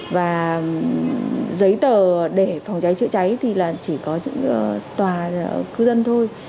và giấy tờ để phòng cháy chữa cháy thì là chỉ có những tòa cư dân thôi